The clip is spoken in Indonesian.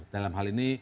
dalam hal ini